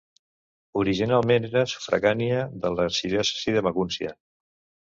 Originalment era sufragània de l'arxidiòcesi de Magúncia.